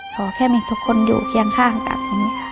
ขอแค่มีทุกคนอยู่เคียงข้างกัน